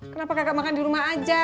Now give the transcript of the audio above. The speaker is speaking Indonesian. kenapa kakak makan di rumah aja